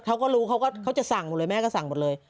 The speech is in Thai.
เขาก็รู้เขาก็เขาจะสั่งหมดเลยแม่ก็สั่งหมดเลย